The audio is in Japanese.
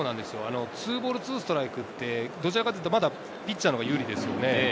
２ボール２ストライクってどちらかというと、まだピッチャーのほうが有利ですよね。